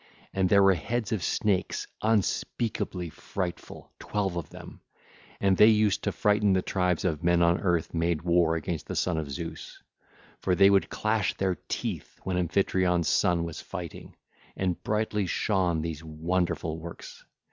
(ll. 160 167) And there were heads of snakes unspeakably frightful, twelve of them; and they used to frighten the tribes of men on earth whosoever made war against the son of Zeus; for they would clash their teeth when Amphitryon's son was fighting: and brightly shone these wonderful works.